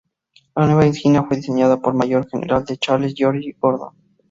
La nueva insignia fue diseñada por el mayor general Charles George Gordon.